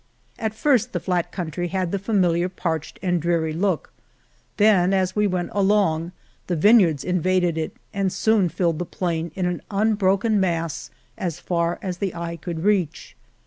At first the flat country had the familiar parched and dreary look, then, as we went along, the vineyards invaded it and soon filled the plain in an unbroken mass as far as the eye could reach.